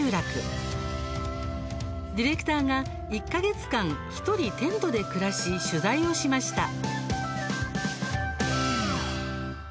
ディレクターが１か月間１人テントで暮らし取材をしました。